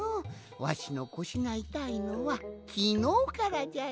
わしのこしがいたいのはきのうからじゃよ。